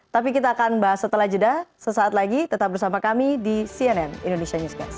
tapi kita akan bahas setelah jeda sesaat lagi tetap bersama kami di cnn indonesia newscast